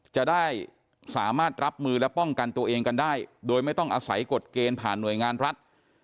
จะได้สามารถรับมือและป้องกันตัวเองกันได้โดยไม่ต้องอาศัยกฎเกณฑ์ผ่านหน่วยงานรัฐ